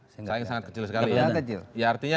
sangat kecil sekali ya